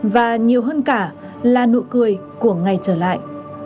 và nhiều hơn cả là nụ cười của người